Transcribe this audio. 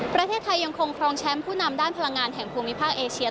ประเทศไทยยังคงครองแชมป์ผู้นำด้านพลังงานแห่งภูมิภาคเอเชีย